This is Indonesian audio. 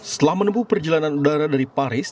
setelah menempuh perjalanan udara dari paris